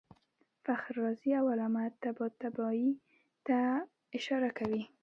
فخر رازي او علامه طباطبايي ته اشاره کوي.